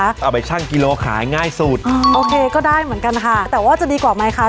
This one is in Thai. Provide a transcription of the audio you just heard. เอาไปชั่งกิโลขายง่ายสุดอ่าโอเคก็ได้เหมือนกันค่ะแต่ว่าจะดีกว่าไหมคะ